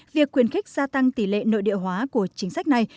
việc quyền khích gia tăng tỷ lệ nội địa hóa của chính sách này